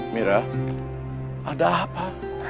mira ada apa